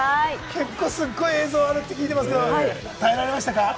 結構すごい映像あるって聞いてましたけれども、耐えられましたか？